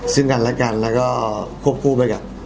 ซึ่งกันและกันแล้วก็ควบคู่ไปกับ